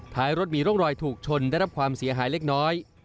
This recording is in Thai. ท้ายรถมีร่องรอยถูกชนได้รับความเสียหายเล็กน้อย